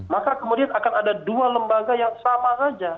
maka kemudian akan ada dua lembaga yang sama saja